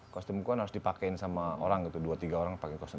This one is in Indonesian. kostumku kan harus dipakein sama orang gitu dua tiga orang pakai kostum